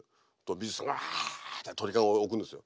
美術さんがうわって鳥籠置くんですよ。